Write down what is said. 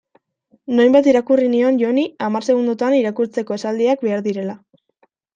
Nonbait irakurri nion Joni hamar segundotan irakurtzeko esaldiak behar direla.